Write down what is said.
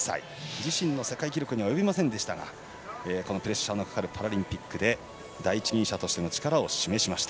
自身の世界記録には及びませんでしたがプレッシャーのかかるパラリンピックで第一人者としての力を示しました。